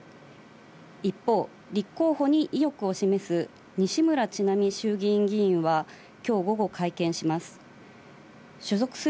一方、立候補に意欲を示す西村智奈美衆議院議員は今日午後、会見します。